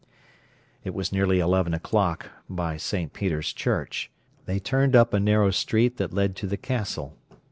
It was nearly eleven o'clock by St. Peter's Church. They turned up a narrow street that led to the Castle.